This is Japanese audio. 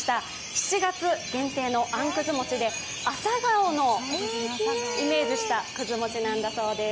７月限定のあん久寿餅で朝顔をイメージしたくず餅なんだそうです。